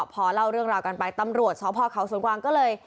ตังเรือสองพ่อขาวสวนกวาง